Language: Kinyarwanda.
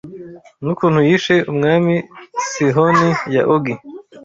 n’ukuntu yishe umwami Sihoni na Ogi